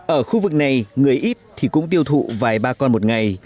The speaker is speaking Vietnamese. ở khu vực này người ít thì cũng tiêu thụ vài ba con một ngày